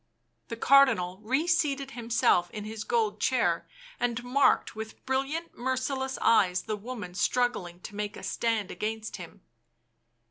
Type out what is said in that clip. The Cardinal reseated himself in his gold chair and marked with brilliant, merciless eyes the woman struggling to make a stand against him.